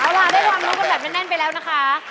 เอาล่ะได้ความรู้กันแบบแน่นไปแล้วนะคะ